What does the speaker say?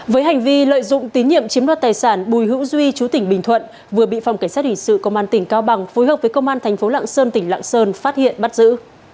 với hành vi lợi dụng tín nhiệm chiếm đoạt tài sản bùi hữu duy chú tỉnh bình thuận vừa bị phòng cảnh sát hình sự công an tỉnh cao bằng phối hợp với công an thành phố lạng sơn tỉnh lạng sơn phát hiện bắt giữ